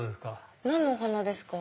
何のお花ですか？